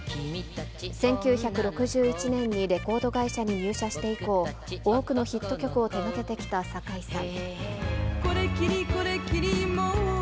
１９６１年にレコード会社に入社して以降、多くのヒット曲を手がけてきた酒井さん。